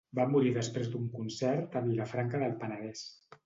Va morir després d'un concert a Vilafranca del Penedès.